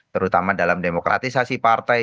terutama dalam demokratisasi partai